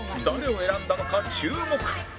誰を選んだのか注目